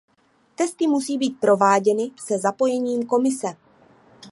Testy musí být prováděny se zapojením Komise.